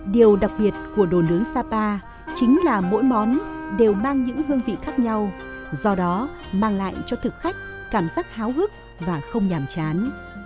điều đặc biệt của đồ nướng sapa chính là mỗi món đều mang những hương vị khác nhau do đó mang lại cho thực khách cảm giác háo hức và không nhàm chán